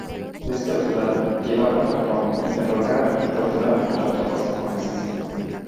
Es capturado, llevado a Japón, interrogado y torturado por las tropas japonesas.